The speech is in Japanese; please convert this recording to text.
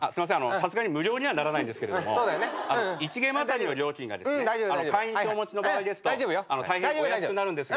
さすがに無料にはならないんですけども１ゲームあたりの料金が会員証お持ちの場合ですと大変お安くなるんですが。